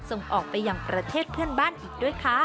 ส่งออกไปอย่างประเทศเพื่อนบ้านอีกด้วยค่ะ